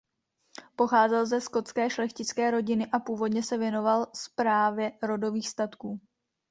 Pocházel ze skotské šlechtické rodiny a původně se věnoval správě rodových statků.